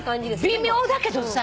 微妙だけどさ。